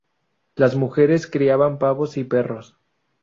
Las mujeres criaban pavos y perros.